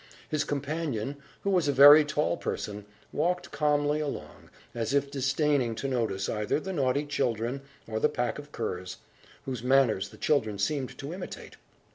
His companion, who was a very tall person, walked calmly along, as if disdaining to notice either the naughty children, or the pack of curs, whose manners the children seemed to imitate.